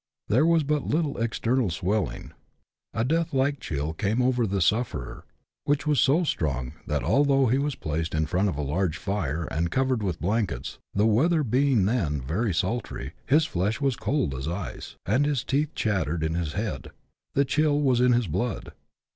There was but little external swelling. A death like chill came over the sufferer, which was so strong that although he was placed in front of a large fire, and covered 120 BUSH LIFE IN AUSTEALIA. [chap. xi. with blankets, the weather being then very sultry, his flesh was as cold as ice, and his teeth chattered in his head : the chill was in his blood.